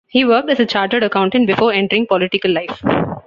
He worked as a chartered accountant before entering political life.